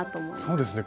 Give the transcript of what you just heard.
そうですね。